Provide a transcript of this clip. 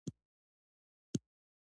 د محلي تاریخ د ژغورلو پروژو ملاتړ کول.